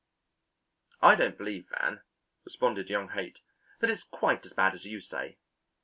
"I don't believe, Van," responded young Haight, "that it's quite as bad as you say.